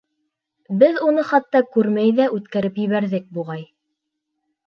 Беҙ уны хатта күрмәй ҙә үткәреп ебәрҙек, буғай.